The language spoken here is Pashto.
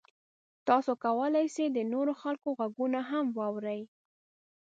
تاسو کولی شئ د نورو خلکو غږونه هم واورئ.